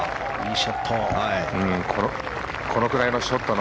いいショット。